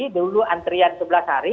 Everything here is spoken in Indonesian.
dulu antrian sebelas hari